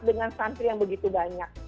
dengan santri yang begitu banyak